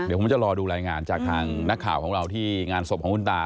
เดี๋ยวผมจะรอดูรายงานจากทางนักข่าวของเราที่งานศพของคุณตา